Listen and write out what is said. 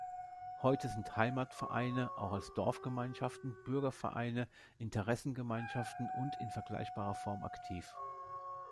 Heute sind Heimatvereine auch als Dorfgemeinschaften, Bürgervereine, Interessengemeinschaften und in vergleichbarer Form aktiv.